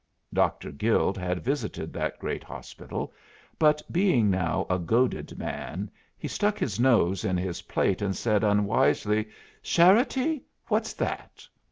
Doctor Guild had visited that great hospital, but being now a goaded man he stuck his nose in his plate, and said, unwisely: "Sharrity? What's that?"